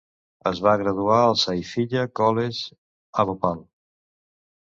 Es va graduar el Saifiya College a Bhopal.